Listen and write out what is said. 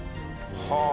はあ。